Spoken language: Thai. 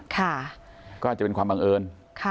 ก็อาจจะเป็นความบังเอิญ